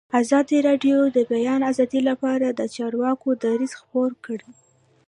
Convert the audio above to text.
ازادي راډیو د د بیان آزادي لپاره د چارواکو دریځ خپور کړی.